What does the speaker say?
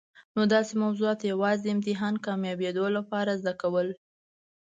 نو داسي موضوعات یوازي د امتحان کامیابېدو لپاره زده کول.